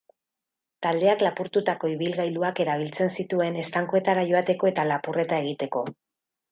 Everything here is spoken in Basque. Taldeak lapurtutako ibilgailuak erabiltzen zituen estankoetara joateko eta lapurreta egiteko.